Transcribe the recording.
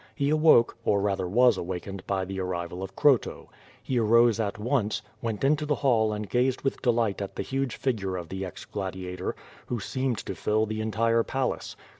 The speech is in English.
He awoke, or rather was awakened by the arrival of Croto. He arose at once, went into the hall and gazed with delight at the huge figure of the ex gladiator, who seemed to fill the entire place.